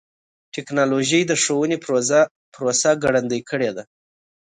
ټکنالوجي د ښوونې پروسه ګړندۍ کړې ده.